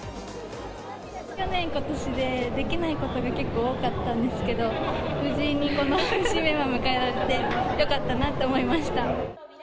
去年、ことしでできないことが結構多かったんですけど、無事にこの節目を迎えられて、よかったなって思いました。